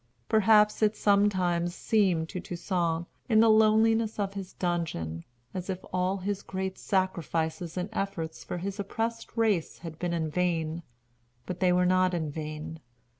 Perhaps it sometimes seemed to Toussaint, in the loneliness of his dungeon, as if all his great sacrifices and efforts for his oppressed race had been in vain. But they were not in vain.